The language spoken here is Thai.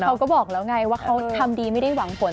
เขาก็บอกแล้วไงว่าเขาทำดีไม่ได้หวังผล